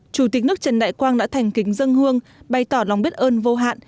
chủ tịch nước trần đại quang đã thành kính dân hương bày tỏ lòng biết ơn vô hạn